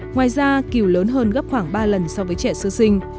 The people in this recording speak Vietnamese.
ngoài ra kiều lớn hơn gấp khoảng ba lần so với trẻ sơ sinh